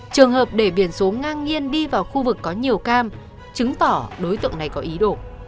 trường hợp để biển số ngang nhiên đi vào khu vực có nhiều cam chứng tỏ đối tượng này có ý đồ